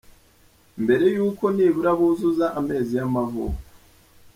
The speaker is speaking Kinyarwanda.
mbere y'uko nibura buzuza amezi y'amavuko